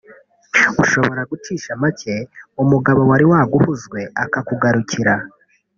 ushobora gucisha make umugabo wari waguhuzwe akakugarukira